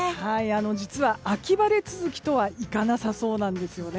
実は秋晴れ続きとはいかなさそうなんです。